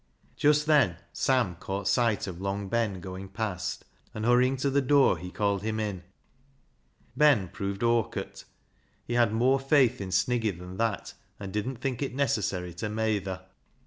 Just then Sam caught sight of Long Ben going past, and hurrying to the door, he called him in. Ben proved " awkert." He had more faith in Sniggy than that, and didn't think it necessary to " meyther."